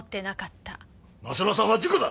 鱒乃さんは事故だ！